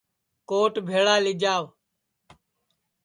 کوٹ بھیݪا لی جاو